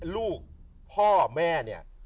ลูกพ่อแม่เนี่ย